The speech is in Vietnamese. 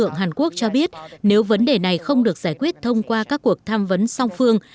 hàn quốc cho biết nếu vấn đề này không được giải quyết thông qua các cuộc tham vấn song phương